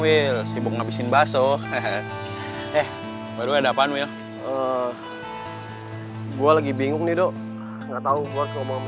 will sibuk ngabisin basuh eh baru ada panuh ya gua lagi bingung nih do nggak tahu gua mau